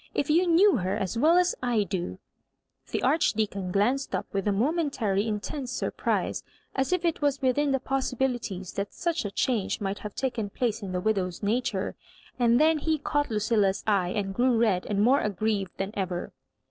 If you knew her as well as I do " The Archdeacon glanced up vrith a momentaiy intense surprise, as If it was within the possibili ties that such a change might have taken place in the widow's nature ; and then he caught Lu dlla's eye, and grew red and more aggrieved than ever.